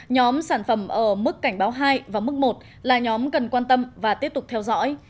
nhóm sản phẩm ở mức cảnh báo hai và mức một là nhóm cần quan tâm và tiếp tục theo dõi